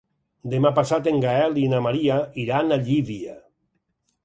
Demà passat en Gaël i na Maria iran a Llívia.